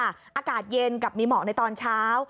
อากาศเย็นกับมีหมอกในตอนเช้า